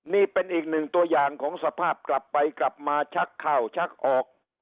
นี่เป็นอีกหนึ่งตัวอย่างของสภาพกลับไปกลับมาชักข้าวชักออก